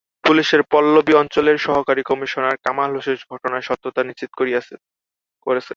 পুলিশের পল্লবী অঞ্চলের সহকারী কমিশনার কামাল হোসেন ঘটনার সত্যতা নিশ্চিত করেছেন।